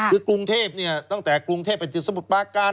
คือกรุงเทพตั้งแต่กรุงเทพอดีตเนื่องจากสมุทรปาการ